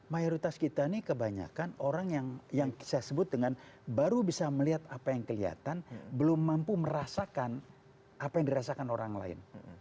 mayoritas kita ini kebanyakan orang yang saya sebut dengan baru bisa melihat apa yang kelihatan belum mampu merasakan apa yang dirasakan orang lain